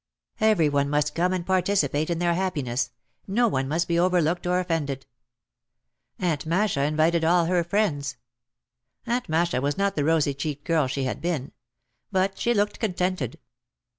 Every one must come and par ticipate in their happiness, no one must be overlooked or offended. Aunt Masha invited all her friends. Aunt Masha was not the rosy cheeked girl she had been. But she looked contented.